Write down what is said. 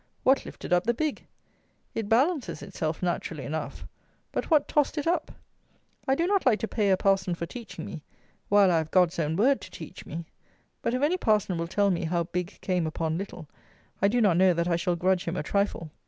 What lifted up the big? It balances itself naturally enough; but what tossed it up? I do not like to pay a parson for teaching me, while I have "God's own word" to teach me; but, if any parson will tell me how big came upon little, I do not know that I shall grudge him a trifle.